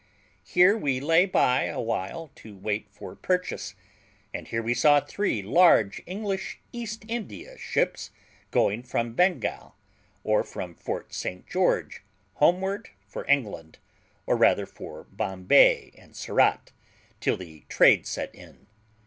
Here we lay by a while to wait for purchase; and here we saw three large English East India ships going from Bengal, or from Fort St George, homeward for England, or rather for Bombay and Surat, till the trade set in.